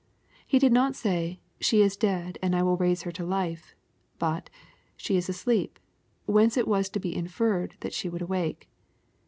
He did not say, he is dead, and I will raise her to life; but, she is asleep, whence it was to be inferred that she would awake.